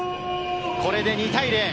これで２対０。